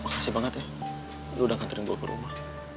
kasih banget ya udah katering gua ke rumah